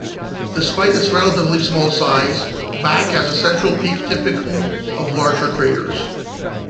Despite its relatively small size, Back has a central peak typical of larger craters.